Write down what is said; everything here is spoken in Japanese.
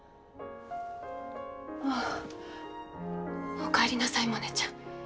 ああおかえりなさいモネちゃん。